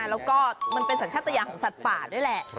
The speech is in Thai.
แล้วก็มันเป็นสัญชาติยาของสัตว์ป่าด้วยแหละ